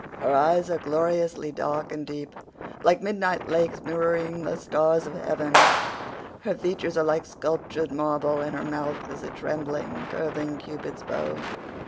Her eyes are gloriously dark and deep, like midnight lakes mirroring the stars of heaven. Her features are like sculptured marble and her mouth is a trembling, curving Cupid's bow.